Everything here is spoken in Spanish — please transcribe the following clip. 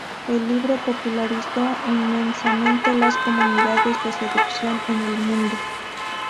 El libro popularizó inmensamente las comunidades de seducción en el mundo.